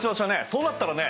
そうなったらね